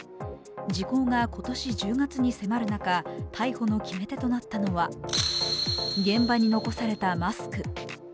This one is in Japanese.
時効が今年１０月に迫る中、逮捕の決め手となったのは、現場に残されたマスク。